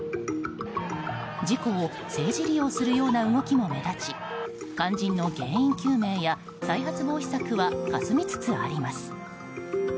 事故を政治利用するような動きも目立ち肝心の原因究明や再発防止策はかすみつつあります。